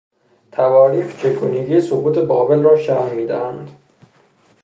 تواریخ چگونگی سقوط بابل را شرح میدهند.